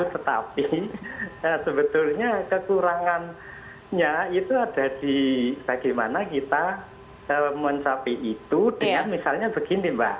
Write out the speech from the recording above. tetapi sebetulnya kekurangannya itu ada di bagaimana kita mencapai itu dengan misalnya begini mbak